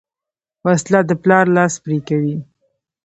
وسله د پلار لاس پرې کوي